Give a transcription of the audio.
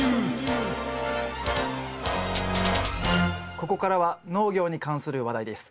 ここからは農業に関する話題です。